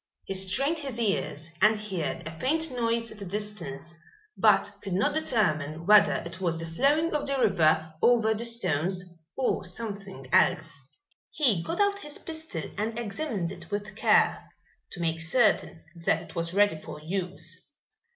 He strained his ears, and heard a faint noise at a distance but could not determine whether it was the flowing of the river over the stones or something else. He got out his pistol and examined it with care, to make certain that it was ready for use.